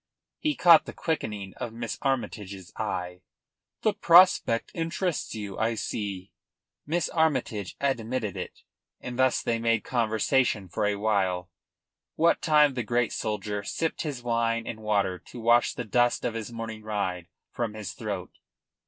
He caught the quickening of Miss Armytage's eye. "The prospect interests you, I see." Miss Armytage admitted it, and thus they made conversation for a while, what time the great soldier sipped his wine and water to wash the dust of his morning ride from his throat.